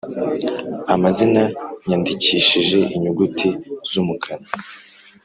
Amazina yandikishije inyuguti z’umukara